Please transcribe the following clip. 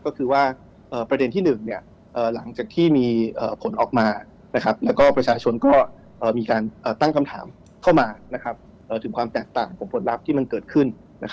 ก็คือว่าประเด็นที่๑หลังจากที่มีผลออกมาแล้วก็ประชาชนก็มีการตั้งคำถามเข้ามาถึงความแตกต่างของผลลัพธ์ที่มันเกิดขึ้น